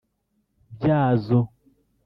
Byazo.